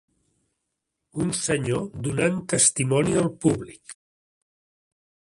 Un senyor donant testimoni al públic.